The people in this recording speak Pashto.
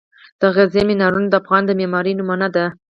د غزني مینارونه د افغان د معمارۍ نمونه دي.